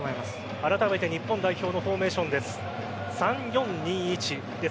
あらためて日本代表のフォーメーションです。